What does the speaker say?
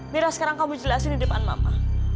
mira sekarang kamu jelasin ke depan mama